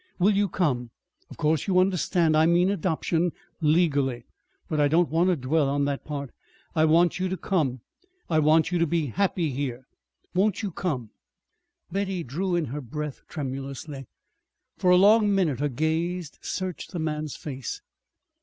Will you come? Of course, you understand I mean adoption legally. But I don't want to dwell on that part. I want you to want to come. I want you to be happy here. Won't you come?" Betty drew in her breath tremulously. For a long minute her gaze searched the man's face.